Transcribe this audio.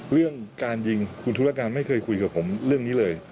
เรื่องการยิงคุณธุรการไม่เคยคุยกับผมเรื่องนี้เลย